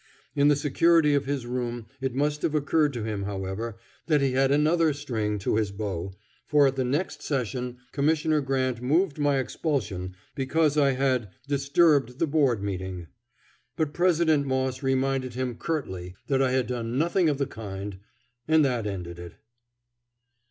In the security of his room it must have occurred to him, however, that he had another string to his bow; for at the next session Commissioner Grant moved my expulsion because I had "disturbed the Board meeting." But President Moss reminded him curtly that I had done nothing of the kind, and that ended it.